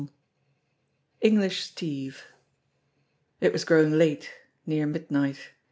XVI ENGLISH STEVE IT was growing late, near midnight.